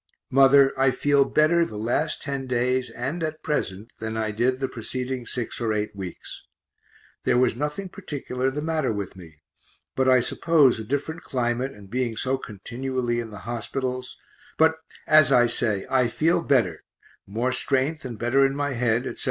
Mother, I feel better the last ten days, and at present, than I did the preceding six or eight weeks. There was nothing particular the matter with me, but I suppose a different climate and being so continually in the hospitals but as I say, I feel better, more strength, and better in my head, etc.